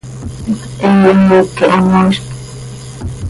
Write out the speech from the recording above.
He yaniiqui hamoizct.